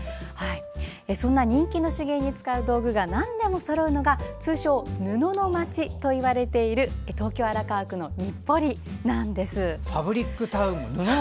そんな人気の手芸に使う道具がなんでもそろうのが通称・布の街といわれている東京・荒川区の日暮里なんです。